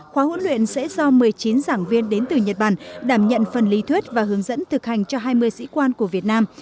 khóa huấn luyện sẽ do một mươi chín giảng viên đến từ nhật bản đảm nhận phần lý thuyết và hướng dẫn thực hành cho hai mươi sĩ quan của việt nam